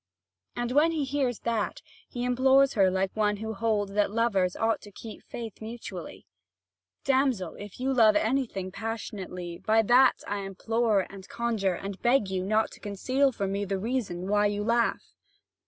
And when he hears that, he implores her like one who holds that lovers ought to keep faith mutually: "Damsel, if you love anything passionately, by that I implore and conjure and beg you not to conceal from me the reason why you laugh."